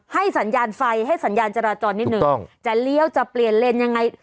สัญญาณไฟให้สัญญาณจราจรนิดนึงต้องจะเลี้ยวจะเปลี่ยนเลนยังไง